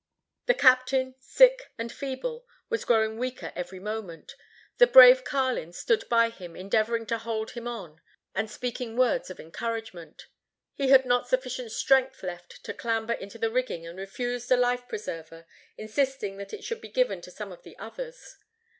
The captain, sick and feeble, was growing weaker every moment. The brave Carlin stood by him endeavoring to hold him on, and speaking words of encouragement. He had not sufficient strength left to clamber into the rigging and refused a life preserver, insisting that it should be given to some of the others.